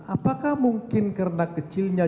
apakah mungkin karena kecilnya